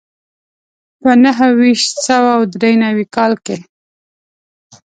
په نهه ویشت سوه دري نوي کال کې.